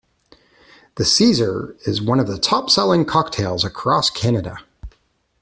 The Caesar is one of the top selling cocktails across Canada.